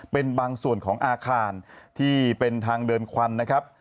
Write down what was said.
เป็นบางส่วนของอาคารที่เป็นทางเดินควันนะครับ